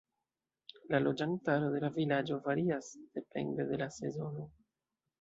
La loĝantaro de la vilaĝo varias depende de la sezono.